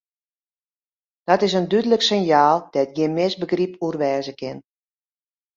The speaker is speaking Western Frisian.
Dat is in dúdlik sinjaal dêr't gjin misbegryp oer wêze kin.